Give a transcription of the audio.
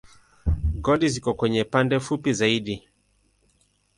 Goli ziko kwenye pande fupi zaidi.